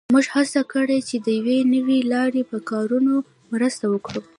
موږ هڅه کړې چې د یوې نوې لارې په کارونه مرسته وکړو